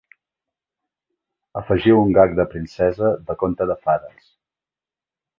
Afegiu un gag de princesa de conte de fades.